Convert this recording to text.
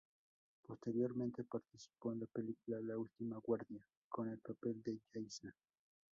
Posteriormente participó en la película "La última guardia" con el papel de Yaiza.